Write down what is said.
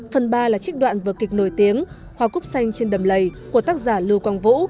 phần ba là trích đoạn vợ kịch nổi tiếng hoa cúc xanh trên đầm lầy của tác giả lưu quang vũ